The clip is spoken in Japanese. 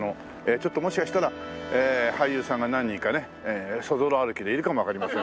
ちょっともしかしたら俳優さんが何人かねそぞろ歩きでいるかもわかりませんので。